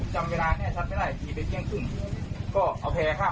ข้ามไปครับใส่ของตามที่เห็นในรูปนั้นเลยครับ